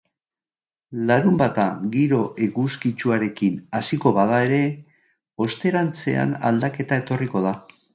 Larunbata giro eguzkitsuarekin hasiko bada ere, osterantzean aldaketa etorriko da.